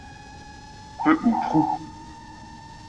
Peu ou prou.